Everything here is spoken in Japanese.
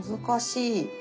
難しい。